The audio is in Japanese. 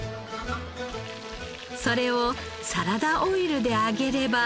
それをサラダオイルで揚げれば。